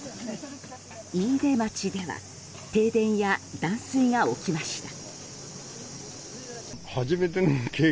飯豊町では停電や断水が起きました。